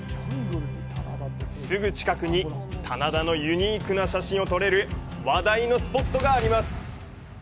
すぐ近くに棚田のユニークな写真を撮れる話題のスポットがあります。